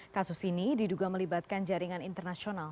kasus ini diduga melibatkan jaringan internasional